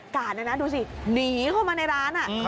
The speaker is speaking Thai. กาดนี่นะดูสิหนีเข้ามาในร้านน่ะ